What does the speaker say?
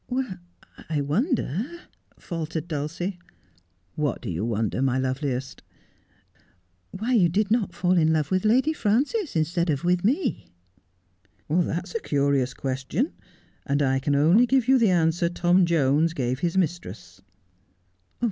'I wonder 'faltered Dulcie. ' What do you wonder, my loveliest ?'' Why you did not fall in love with Lady Frances instead of with me.' ' That's a curious question, and I can only give you the answer Tom Jones gave his mistress.'